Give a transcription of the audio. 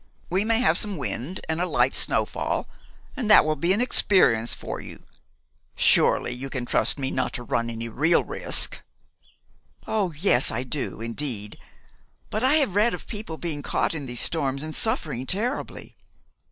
We may have some wind and a light snowfall, and that will be an experience for you. Surely you can trust me not to run any real risk?" "Oh, yes. I do, indeed. But I have read of people being caught in these storms and suffering terribly."